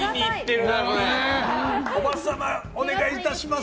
おばさま、お願いいたします。